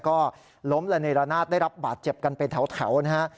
ก็ล้มละเนละนาดได้รับบาดเจ็บกันไปเถานะฮะ